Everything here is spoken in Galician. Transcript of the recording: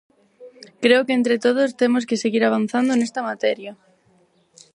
Creo que entre todos temos que seguir avanzando nesta materia.